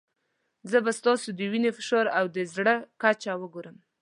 زه به ستاسو د وینې فشار او د زړه کچه وګورم.